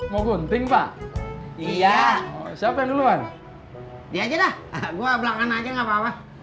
mau gunting pak iya siapa yang duluan dia juga gua belakang aja nggak papa